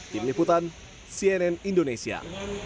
tim liputan cnn indonesia